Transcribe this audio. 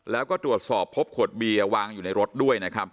แล้วก็ตรวจสอบพบขวดเบียร์วางอยู่ในรถด้วยนะครับ